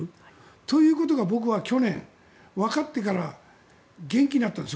ということが僕は去年、分かってから元気になったんですよ。